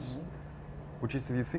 semuanya yang baik untuk kita semuanya yang